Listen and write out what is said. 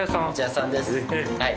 はい。